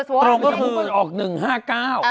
ตรงก็คือออก๑๕๙